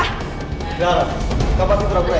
clara kau pasti terlalu baik